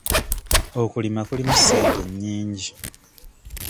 Okulima kulimu ssente nnyingi.